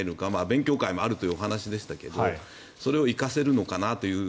勉強会もあるというお話でしたけどそれを生かせるのかなという。